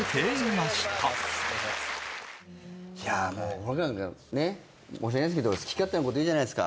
僕なんか申し訳ないですけど好き勝手なこと言うじゃないですか。